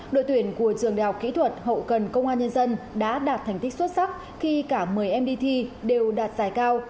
đội tuyển của trường đại học kỹ thuật hậu cần công an nhân dân đã đạt thành tích xuất sắc khi cả một mươi mdt đều đạt giải cao